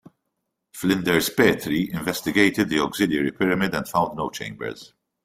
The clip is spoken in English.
Flinders Petrie investigated the auxiliary pyramid and found no chambers.